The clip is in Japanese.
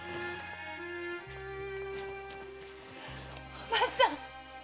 お前さん！